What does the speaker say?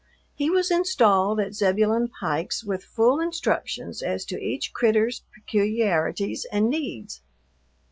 He was installed at Zebulon Pike's with full instructions as to each "critter's" peculiarities and needs.